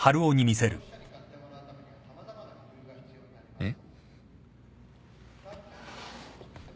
えっ？